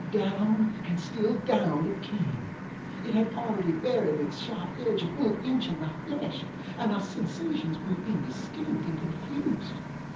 Down and still down, it came. It had already buried its sharp edge a full inch in my flesh, and my sensations grew indistinct and confused.